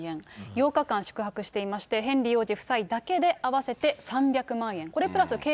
８日間宿泊していまして、ヘンリー王子夫妻だけで合わせて３００万円。